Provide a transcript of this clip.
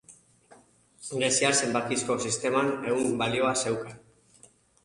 Greziar zenbakizko sisteman ehun balioa zeukan.